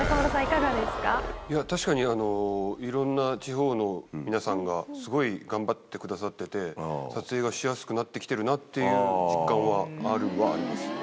確かに、いろんな地方の皆さんがすごい頑張ってくださってて、撮影がしやすくなってきてるなっていう実感はあるはあります。